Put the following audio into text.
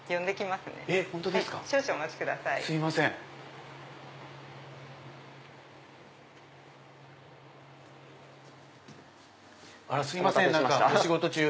すいませんお仕事中。